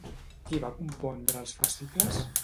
Qui va compondre els fascicles?